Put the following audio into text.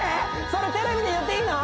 それテレビで言っていいの！？